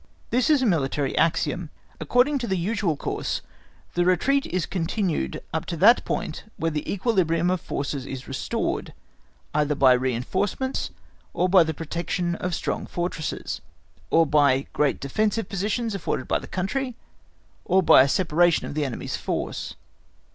This is a military axiom. According to the usual course the retreat is continued up to that point where the equilibrium of forces is restored, either by reinforcements, or by the protection of strong fortresses, or by great defensive positions afforded by the country, or by a separation of the enemy's force.